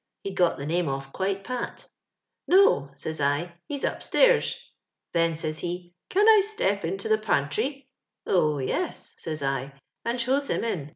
— he'd got tiie name off qiike pat * No,' says I, 'he's up stairs; ' then says he, *Can i step into the pan trwf ' Oh, yes,* says I, and shows him in.